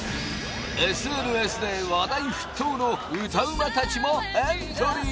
ＳＮＳで話題沸騰の歌うまたちもエントリー